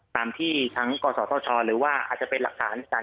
ตามที่ทั้งกศธชหรือว่าอาจจะเป็นหลักฐาน